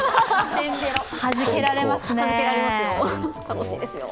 はじけられますね。